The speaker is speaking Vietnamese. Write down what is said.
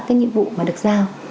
cái nhiệm vụ mà được giao